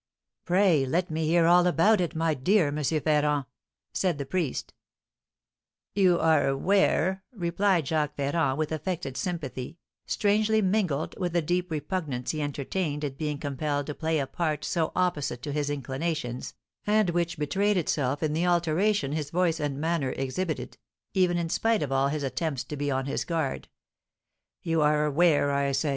"Pray let me hear all about it, my dear M. Ferrand," said the priest. "You are aware," replied Jacques Ferrand, with affected sympathy, strangely mingled with the deep repugnance he entertained at being compelled to play a part so opposite to his inclinations, and which betrayed itself in the alteration his voice and manner exhibited, even in spite of all his attempts to be on his guard, "you are aware, I say, M.